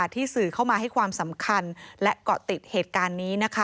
ที่สื่อเข้ามาให้ความสำคัญและเกาะติดเหตุการณ์นี้